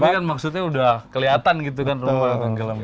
tapi kan maksudnya udah kelihatan gitu kan rumah tenggelamnya